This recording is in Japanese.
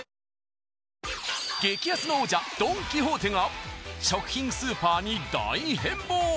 激安の王者ドン・キホーテが食品スーパーに大変貌。